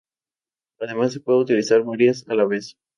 Además se pueden utilizar varias a la vez.